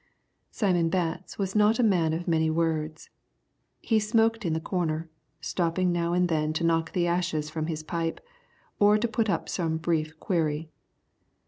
Simon Betts was not a man of many words. He smoked in the corner, stopping now and then to knock the ashes from his pipe, or to put some brief query.